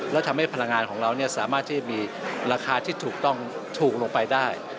แล้วทำให้พลังงานของเราสามารถที่มีราคาที่ถูกต้องถูกลงไปได้